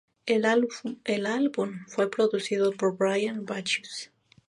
El álbum fue producido por Brian Bacchus.